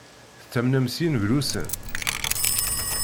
Tettamnem s yineglusen?